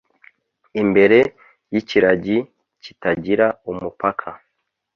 Imbere yikiragi kitagira umupaka